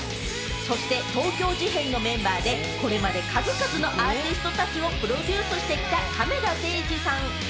そして、東京事変のメンバーで、これまで数々のアーティストたちをプロデュースしてきた亀田誠治さん。